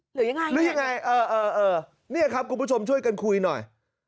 หรือยังไงเออนี่ครับคุณผู้ชมช่วยกันคุยหน่อย